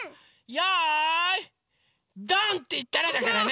よいどん！っていったらだからね！